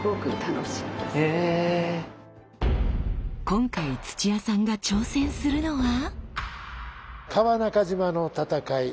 今回土屋さんが挑戦するのは。